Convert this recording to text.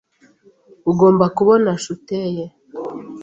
Ugomba kubona shuteye.